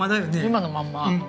今のまんま。